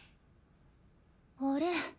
あれ？